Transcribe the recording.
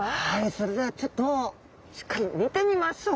それではちょっとしっかり見てみましょう。